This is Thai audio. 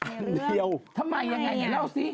อันเดียวทำไมยังไงให้เล่าสิ